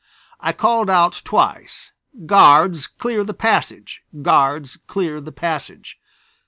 I called out twice: "Guards, clear the passage! Guards, clear the passage!"